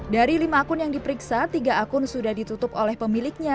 dari lima akun yang diperiksa tiga akun sudah ditutup oleh pemiliknya